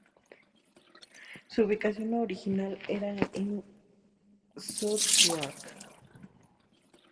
Su ubicación original era en Southwark.